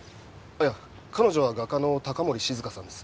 いや彼女は画家の高森静香さんです。